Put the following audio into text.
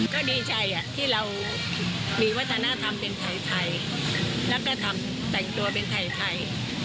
ก็ดีใจที่เรามีวัฒนธรรมเป็นไทยแล้วก็ทำแต่งตัวเป็นไทย